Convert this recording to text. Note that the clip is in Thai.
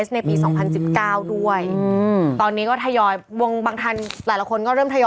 ในปีสองพันสิบเก้าด้วยอืมตอนนี้ก็ทยอยวงบางทันหลายละคนก็เริ่มทยอย